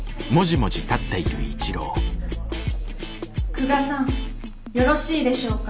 ・久我さんよろしいでしょうか？